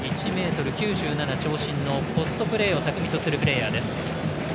１ｍ９７、長身のポストプレーを巧みとするプレーヤーです。